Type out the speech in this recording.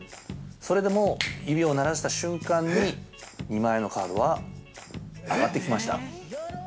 それで、もう、指を鳴らした瞬間に２枚のカードは上がってきました。